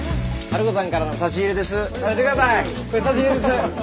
ハルコさんから差し入れです。